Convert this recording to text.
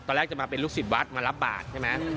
ตอนแรกจะมาเป็นลูกศิษย์วัดมารับบาทใช่ไหม